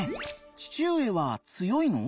父上は強いの？